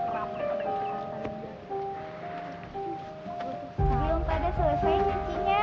belum pada selesai nyucinya